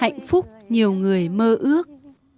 hạnh phúc nhiều người mơ ước